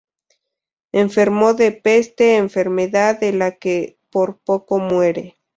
Enfermó de peste, enfermedad de la que por poco muere.